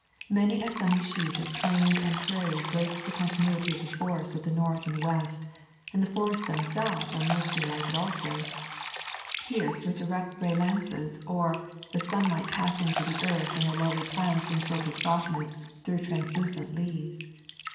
Many a sunny sheet of plain and prairie break the continuity of the forests of the North and West, and the forests themselves are mostly lighted also, A Thousand Mile Walk pierced with direct ray lances, or [the sun light] passing to the earth and the lowly plants in filtered softness through translucent leaves.